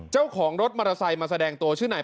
เจ้าของรถมอเตอร์ไซค์มาแสดงตัวชื่อไหน